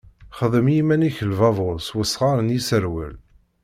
Xdem i yiman-ik lbabuṛ s wesɣar n iseṛwel.